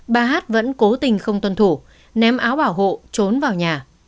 bà hát vẫn cố tình không tuân thủ ném áo bảo hộ trốn vào nhà